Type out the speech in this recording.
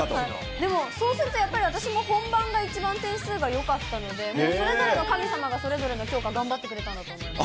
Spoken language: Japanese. でも、そうするとやっぱり、私も本番が一番点数がよかったので、それぞれの神様が、それぞれの教科、頑張ってくれたんだと思います。